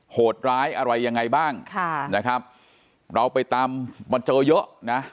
โหดร้ายอะไรยังไงบ้างค่ะนะครับเราไปตามมาเจอเยอะนะ